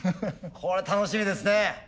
これ楽しみですね。